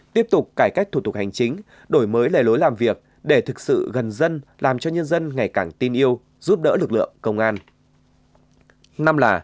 tiếp tục cải cách thủ tục hành chính đổi mới lề lối làm việc để thực sự gần dân làm cho nhân dân ngày càng tin yêu giúp đỡ lực lượng công an